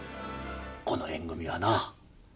この縁組はなあ